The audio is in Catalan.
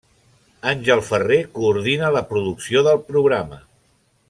Àngel Ferrer coordina la producció del programa.